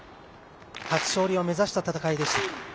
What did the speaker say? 初勝利を目指した戦いでした。